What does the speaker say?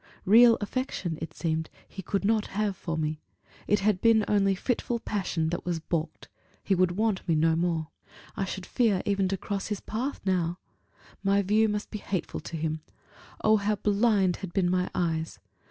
Real affection, it seemed, he could not have for me; it had been only fitful passion; that was balked; he would want me no more. I should fear even to cross his path now: my view must be hateful to him. Oh, how blind had been my eyes!